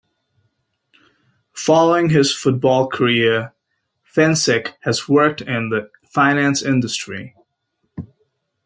Following his football career, Fencik has worked in the finance industry.